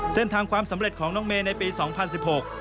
ความสำเร็จของน้องเมย์ในปีสองพันสิบหก